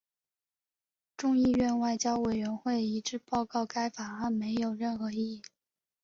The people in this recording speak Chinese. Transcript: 众议院外交委员会一致报告该法案没有任何意义。